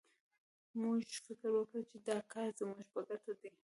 موږ فکر وکړ چې دا کار زموږ په ګټه دی